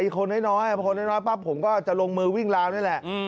คนน้อยผมก็จะลงมือวิ่งร้านนี่แหละ